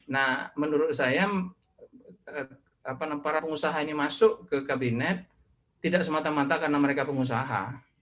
nah menurut saya para pengusaha ini masuk ke kabinet tidak semata mata karena mereka pengusaha